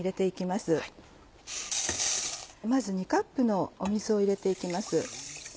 まず２カップの水を入れて行きます。